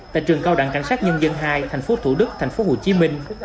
tại trường cao đẳng cảnh sát nhân dân hai thành phố thủ đức thành phố hồ chí minh